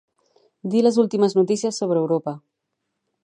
Dir les últimes notícies sobre Europa.